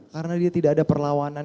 karena dia tidak ada perlawanan